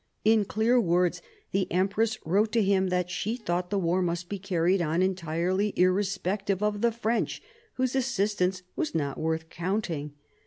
In clear words the empress wrote to him that she thought the war must be carried on entirely irrespective of the French, whose assistance was not worth counting.